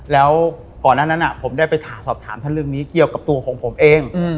แล้วก่อนหน้านั้นผมได้ไปสอบถามท่านเรื่องนี้เกี่ยวกับตัวของผมเอง